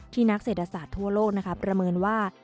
นักเศรษฐศาสตร์ทั่วโลกประเมินว่า